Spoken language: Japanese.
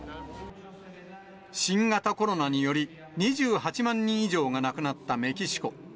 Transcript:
新型コロナにより、２８万人以上が亡くなったメキシコ。